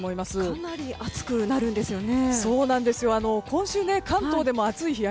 かなり暑くなるんですよね。